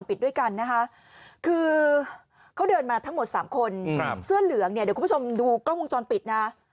ปิดด้วยกันนะคะคือเขาเดินมาทั้งหมด๓คนเสื้อเหลืองเนี่ยเดี๋ยวคุณผู้ชมดูกล้องวงจรปิดนะ